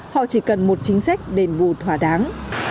họ chỉ cần một chính sách đền bù thỏa đáng